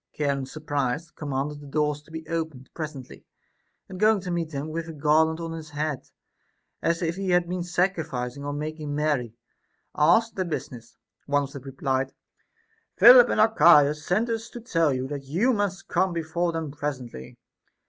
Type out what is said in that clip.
Charon surprised commanded the doors to be opened pres ently, and going to meet them with a garland on his head, as if he had been sacrificing or making merry, asked their business. One of them replied, Philip and Archias sent us to tell you that you must come before them presently.